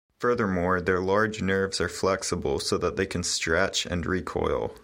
Furthermore, their large nerves are flexible so that they can stretch and recoil.